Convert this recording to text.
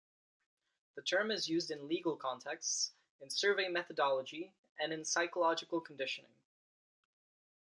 The term is used in legal contexts, in survey methodology, and in psychological conditioning.